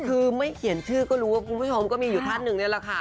คือไม่เขียนชื่อก็รู้ว่าคุณผู้ชมก็มีอยู่ท่านหนึ่งนี่แหละค่ะ